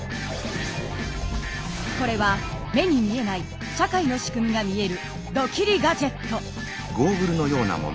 これは目に見えない社会の仕組みが見えるドキリ・ガジェット。